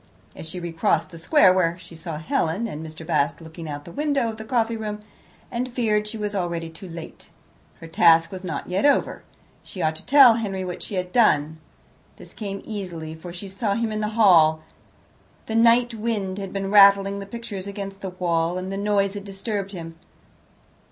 As she recrossed the square she saw Helen and Mr. Bast looking out of the window of the coffee room, and feared she was already too late. Her task was not yet over; she ought to tell Henry what she had done. This came easily, for she saw him in the hall. The night wind had been rattling the pictures against the wall, and the noise had disturbed him.